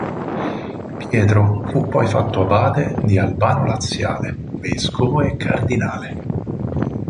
Pietro fu poi fatto abate di Albano Laziale, vescovo e cardinale.